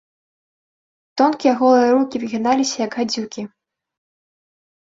Тонкія голыя рукі выгіналіся, як гадзюкі.